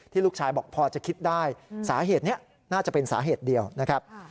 ลูกชายบอกพอจะคิดได้สาเหตุนี้น่าจะเป็นสาเหตุเดียวนะครับ